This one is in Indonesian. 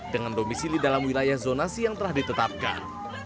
dengan domisili dalam wilayah zonasi yang telah ditetapkan